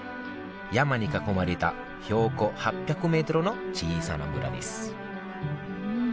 山に囲まれた標高８００ｍの小さな村です